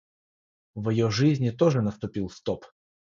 в ее жизни тоже наступил стоп.